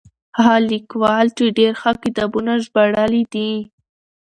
هغه ليکوال ډېر ښه کتابونه ژباړلي دي.